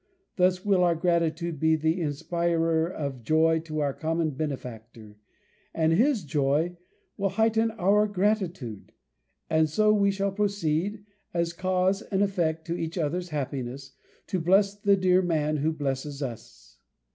Thus will our gratitude be the inspirer of joy to our common benefactor; and his joy will heighten our gratitude; and so we shall proceed, as cause and effect to each other's happiness, to bless the dear man who blesses us.